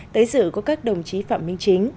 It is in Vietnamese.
tới dự có các đồng chí phạm minh chính